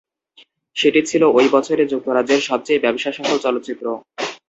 সেটি ছিলো ঐ বছরে যুক্তরাজ্যের সবচেয়ে ব্যবসাসফল চলচ্চিত্র।